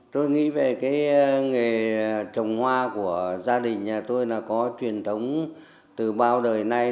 tôi nghĩ về cái nghề trồng hoa của gia đình nhà tôi là có truyền thống từ bao đời nay